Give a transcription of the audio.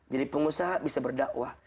jadi pengusaha bisa berdakwah